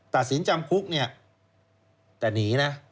ตัดสินจำคุกเนี่ยแต่หนีนะ